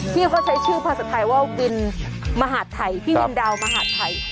ที่เขาใช้ชื่อภาษาไทยว่าวินมหาดไทยพี่วินดาวมหาดไทย